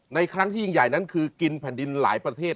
ครั้งที่ยิ่งใหญ่นั้นคือกินแผ่นดินหลายประเทศ